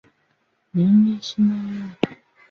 梁以后不明。